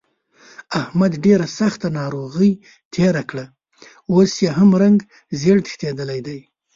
احمد ډېره سخته ناروغۍ تېره کړه، اوس یې هم رنګ زېړ تښتېدلی دی.